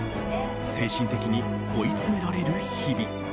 精神的に追い詰められる日々。